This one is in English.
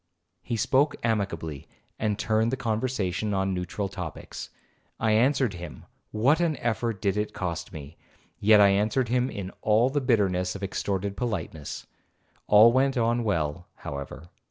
He spoke amicably, and turned the conversation on neutral topics. I answered him,—what an effort did it cost me!—yet I answered him in all the bitterness of extorted politeness. All went on well, however.